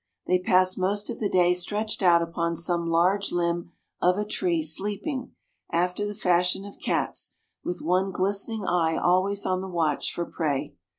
They pass most of the day stretched out upon some large limb of a tree, sleeping, after the fashion of cats, with one glistening eye always on the watch for prey.